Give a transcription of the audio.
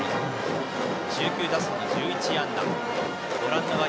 １９打数の１１安打。